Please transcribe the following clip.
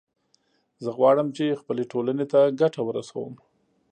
زه غواړم چې خپلې ټولنې ته ګټه ورسوم